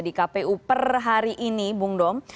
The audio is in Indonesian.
di kpu per hari ini bung dom